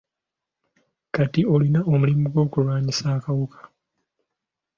Kati olina omulimu gw'okulwanyisa akawuka.